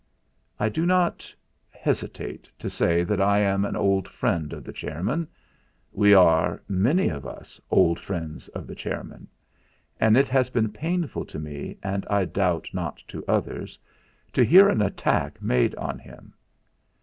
"I do not hesitate to say that I am an old friend of the chairman; we are, many of us, old friends of the chairman, and it has been painful to me, and I doubt not to others, to hear an attack made on him.